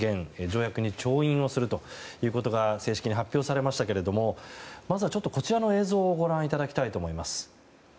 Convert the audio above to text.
条約に調印することが正式に発表されましたがまずはこちらの映像をご覧いただきたいと思います。